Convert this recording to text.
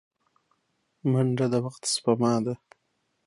منډه د وخت سپما ده